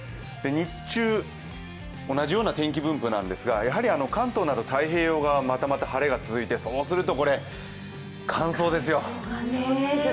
日中、同じような天気分布なんですがやはり関東など太平洋側、またまた晴れが続いてそうすると乾燥ですよ。